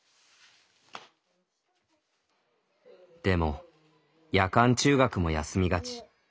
でも夜間中学も休みがち。